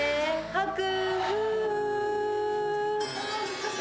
吐く。